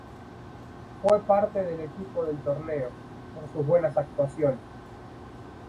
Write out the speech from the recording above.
Fue parte del equipo del torneo, por sus buenas actuaciones.